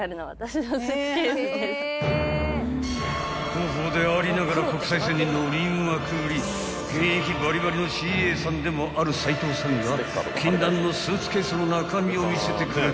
［広報でありながら国際線に乗りまくり現役バリバリのＣＡさんでもある齋藤さんが禁断のスーツケースの中身を見せてくれた］